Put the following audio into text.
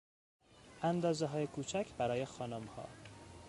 اندازههای کوچک برای خانمها